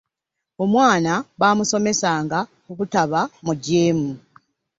Omwana baamusomesanga obutaba mugyemu.